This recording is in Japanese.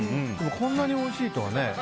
こんなにおいしいとはね。